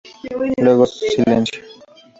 Luego, silencio.